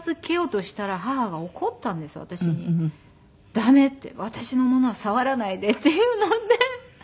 「駄目」って「私のものは触らないで」って言うので。